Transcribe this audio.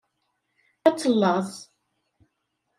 Ad tellaẓ.